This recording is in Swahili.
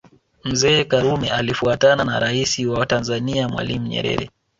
Mzee Karume alifuatana na Rais wa Tanzania Mwalimu Nyerere